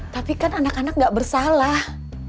tapi kan anak anak gak bersalah